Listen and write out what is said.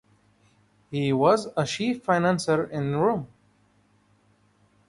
He was a chief financier in Rome.